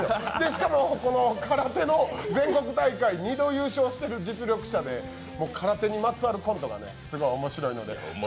しかも空手の全国大会２度優勝している実力者で空手にまつわるコントがすごい面白いので。